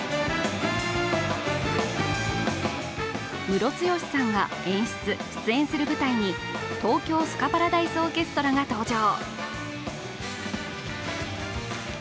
ムロツヨシさんが演出・出演する舞台に東京スカパラダイスオーケストラが登場。